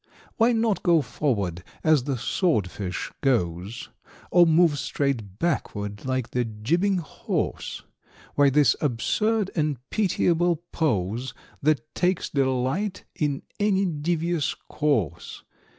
= "Why not go forward as the Sword fish goes? `Or move straight backward, like the jibbing Horse Why this absurd and pitiable pose `That takes delight in any devious course?